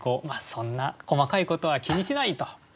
そんな細かいことは気にしないと。